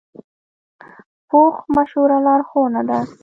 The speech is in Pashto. پوخ مشوره لارښوونه ده